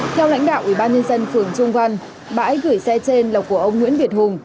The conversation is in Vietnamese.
theo lãnh đạo ủy ban nhân dân phường trung văn bãi gửi xe trên là của ông nguyễn việt hùng